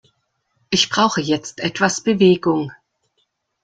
Ich brauche jetzt etwas Bewegung.